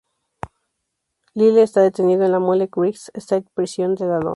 Lyle está detenido en la Mule Creek State Prison de Ione.